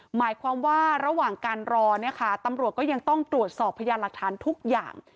หมายความว่าระหว่างการรอเนี่ยค่ะตำรวจก็ยังต้องตรวจสอบพยานหลักฐานทุกอย่าง